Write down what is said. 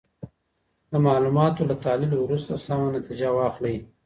د معلوماتو له تحلیل وروسته سمه نتیجه واخلئ.